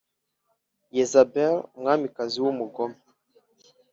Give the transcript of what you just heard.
yezebeli umwamikazi w umugome